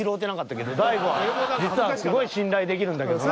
「大悟は実はすごい信頼できるんだけどな」。